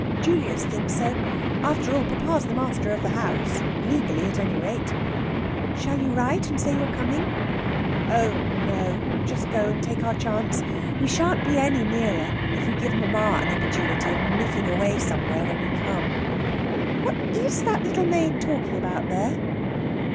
Julius thinks so. After all, papa's the master of the house legally, at any rate." "Shall you write and say you're coming?" "Oh, no! Just go and take our chance. We shan't be any nearer if we give mamma an opportunity of miffing away somewhere when we come. What is that little maid talking about there?"